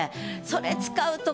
それ使うと。